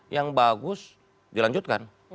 yang bagus dilanjutkan